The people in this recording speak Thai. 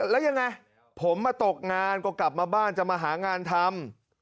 แล้วยังไงผมมาตกงานก็กลับมาบ้านจะมาหางานทำ